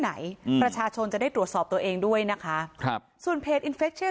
ไหนอืมประชาชนจะได้ตรวจสอบตัวเองด้วยนะคะครับส่วนเพจอินเฟชเชีย